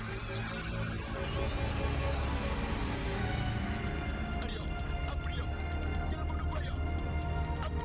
aku nggak bakal segan segan untuk membunuh kamu